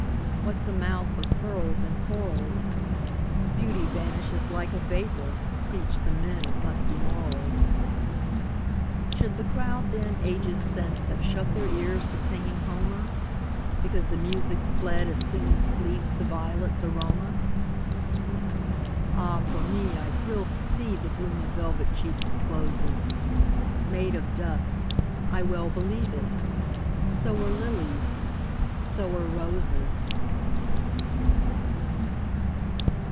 What 's a mouth of pearls and corals? Beauty vanishes like a vapor, Preach the men of musty morals! Should the crowd then, ages since, Have shut their ears to singing Homer, Because the music fled as soonAs fleets the violets' aroma? Ah, for me, I thrill to seeThe bloom a velvet cheek discloses, Made of dust—I well believe it! So are lilies, so are roses!